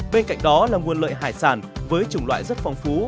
bên cạnh đó là nguồn lợi hải sản với chủng loại rất phong phú